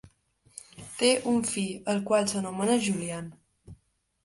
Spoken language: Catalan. Té un fill, el qual s'anomena Julian.